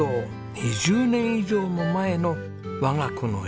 ２０年以上も前の我が子の笑顔。